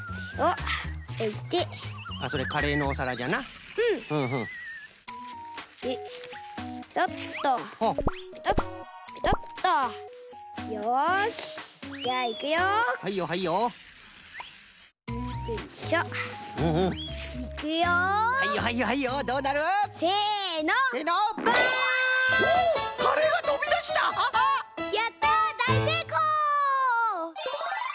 やっただいせいこう！